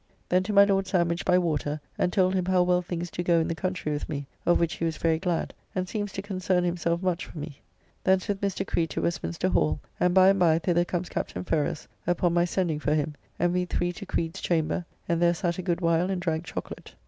Then to my Lord Sandwich by water, and told him how well things do go in the country with me, of which he was very glad, and seems to concern himself much for me. Thence with Mr. Creed to Westminster Hall, and by and by thither comes Captn. Ferrers, upon my sending for him, and we three to Creed's chamber, and there sat a good while and drank chocolate.